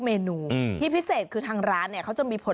ส่วนเมนูที่ว่าคืออะไรติดตามในช่วงตลอดกิน